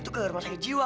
itu ke rumah sakit jiwa